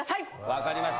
分かりました。